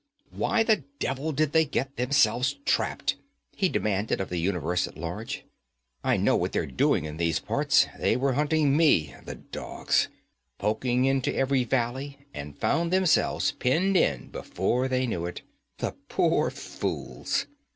'Why the devil did they get themselves trapped?' he demanded of the universe at large. 'I know what they're doing in these parts they were hunting me, the dogs! Poking into every valley and found themselves penned in before they knew it. The poor fools!